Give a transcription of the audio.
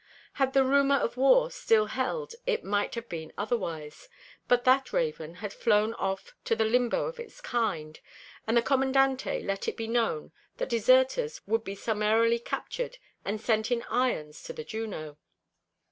Had the rumor of war still held it might have been otherwise, but that raven had flown off to the limbo of its kind, and the Commandante let it be known that deserters would be summarily captured and sent in irons to the Juno.